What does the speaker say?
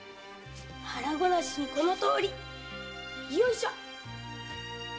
腹ごなしにこのとおりよいしょっ。